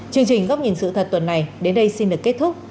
chương trình góc nhìn sự thật tuần này đến đây xin được kết thúc